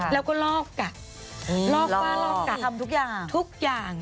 แล้วก็ลอกกะลอกฝ้าลอกกะทำทุกอย่าง